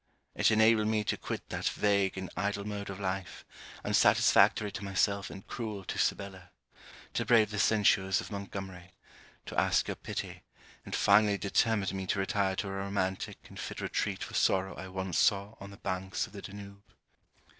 It enabled me to quit that vague and idle mode of life, unsatisfactory to myself and cruel to Sibella; to brave the censures of Montgomery; to ask your pity; and finally determined me to retire to a romantic and fit retreat for sorrow I once saw on the banks of the Danube.